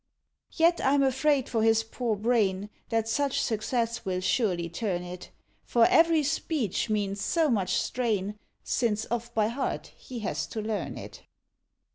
Yet I'm afraid for his poor brain, That such success will surely turn it, For every speech means so much strain, Since off by heart he has to learn it!